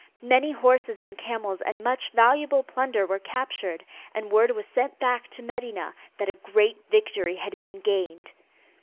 Many horses and camels and much valuable plunder were captured, and word was sent back to Medinah that a great victory had been gained.